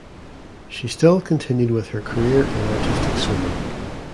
She still continued with her career in Artistic Swimming.